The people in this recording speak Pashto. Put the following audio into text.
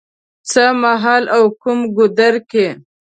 څه مهال او کوم ګودر کې